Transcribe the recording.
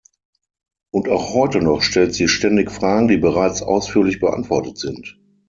Und auch heute noch stellt sie ständig Fragen, die bereits ausführlich beantwortet sind.